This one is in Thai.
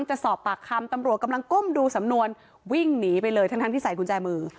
จะสอบปากคำตำรวจกำลังก้มดูสำนวนวิ่งหนีไปเลยทั้งที่ใส่กุญแจมือ